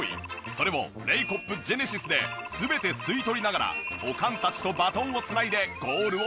それをレイコップジェネシスで全て吸い取りながらおかんたちとバトンを繋いでゴールを目指します。